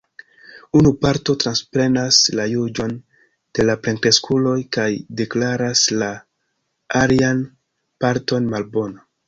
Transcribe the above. Unu parto transprenas la juĝon de la plenkreskuloj kaj deklaras la alian parton malbona.